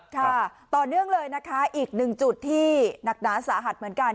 ค่ะต่อเนื่องเลยนะคะอีกหนึ่งจุดที่หนักหนาสาหัสเหมือนกัน